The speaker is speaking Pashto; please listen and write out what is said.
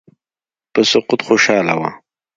په سقوط خوشاله وه.